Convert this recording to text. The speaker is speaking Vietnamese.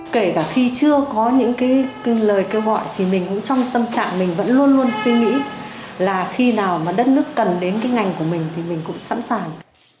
kể cả khi chưa có những lời kêu gọi trong tâm trạng mình vẫn luôn suy nghĩ là khi nào đất nước cần đến ngành của mình thì mình cũng sẵn sàng